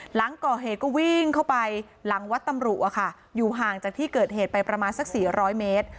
หลังก่อเหตุก็วิ่งเข้าไปหลังวัดตำรุอยู่ห่างจากที่เกิดเหตุไปประมาณสัก๔๐๐เมตร